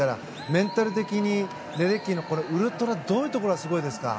メンタル的にレデッキーのウルトラはどういうところがすごいですか？